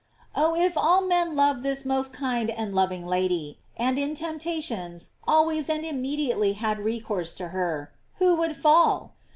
Oh, if all men loved this most kind and loving Lady, and in temptations always and immedi ately had recourse to her, who would fall?